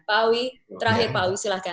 pak awi terakhir pak awi silahkan